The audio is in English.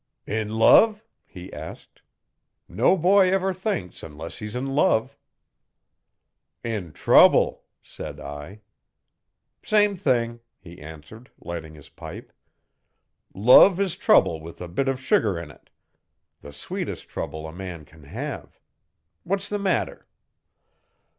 'In love?' he asked. 'No boy ever thinks unless he's in love.' 'In trouble,' said I. 'Same thing,' he answered, lighting his pipe. 'Love is trouble with a bit of sugar in it the sweetest trouble a man can have. What's the matter?'